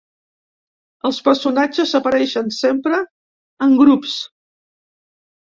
Els personatges apareixen sempre en grups.